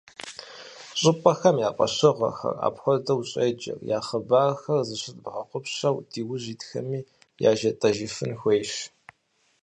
Щӏыпӏэхэм я фӏэщыгъэхэр, апхуэдэу щӏеджэр, я хъыбархэр зыщыдмыгъэгъупщэу диужь итхэми яжетӏэжыфын хуейщ.